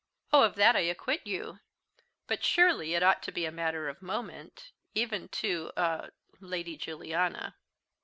"Oh, of that I acquit you; but surely it ought to be a matter of moment, even to a Lady Juliana.